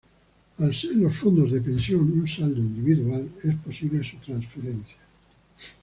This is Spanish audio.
Al ser los fondos de pensión un saldo individual, es posible su transferencia.